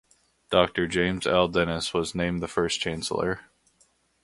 Doctor James L. Dennis was named the first chancellor.